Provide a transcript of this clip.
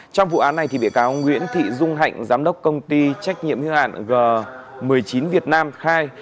trong vụ án này bị cáo nguyễn thị dung hạnh giám đốc công ty trách nhiệm hiếu hạn g một mươi chín việt nam khai